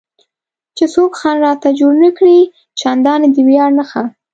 چې څوک خنډ راته جوړ نه کړي، چندانې د ویاړ نښه.